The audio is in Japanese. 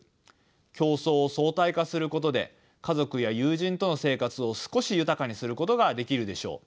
競争を相対化することで家族や友人との生活を少し豊かにすることができるでしょう。